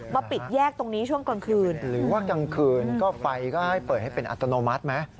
ปิดแยกตรงนี้ช่วงกลางคืนหรือว่ากลางคืนก็ไฟก็ให้เปิดให้เป็นอัตโนมัติไหม